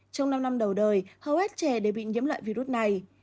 trong năm năm đầu đời hầu hết trẻ đều bị nhiễm loại virus này